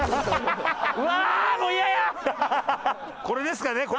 これですかね？